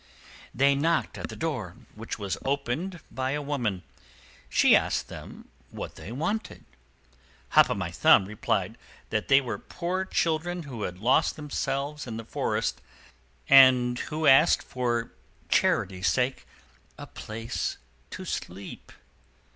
They knocked at the door, which was opened to them by a woman. She asked them what they wanted. Hop o' My Thumb replied that they were poor children who had lost themselves in the forest, and who asked, for charity's sake, a place to sleep.